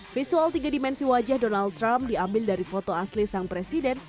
visual tiga dimensi wajah donald trump diambil dari foto asli sang presiden